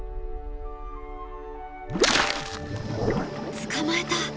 捕まえた！